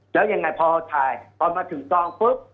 แล้วยังไงพอถ่ายพอมาถึงกองปุ๊บ